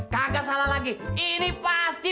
kagak salah lagi ini pasti